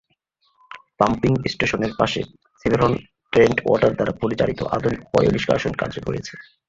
Pumping স্টেশনের পাশে Severn Trent water দ্বারা পরিচালিত আধুনিক পয়ঃনিষ্কাশন কাজ রয়েছে।